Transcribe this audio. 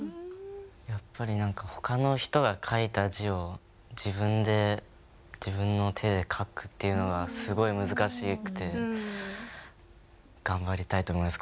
やっぱり何かほかの人が書いた字を自分で自分の手で書くっていうのがすごい難しくて頑張りたいと思います。